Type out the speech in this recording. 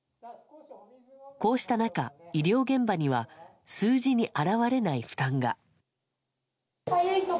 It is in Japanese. こうした中、医療現場には数字に表れない負担が。